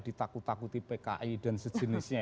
ditakuti pki dan sejenisnya